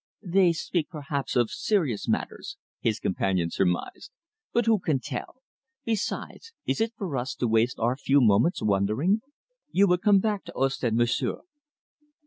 "They speak, perhaps, of serious matters," his companion surmised, "but who can tell? Besides, is it for us to waste our few moments wondering? You will come back to Ostend, monsieur?"